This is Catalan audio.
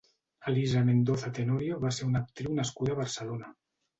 Elisa Mendoza Tenorio va ser una actriu nascuda a Barcelona.